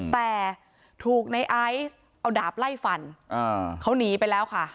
แต่ถูกในไอซ์เอาดาบไล่ฟันเขาหนีไปแล้วค่ะ